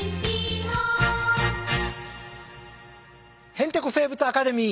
「へんてこ生物アカデミー」。